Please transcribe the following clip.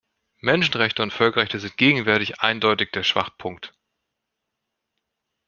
Menschenrechte und Völkerrechte sind gegenwärtig eindeutig der Schwachpunkt.